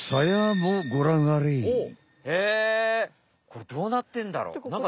これどうなってんだろう？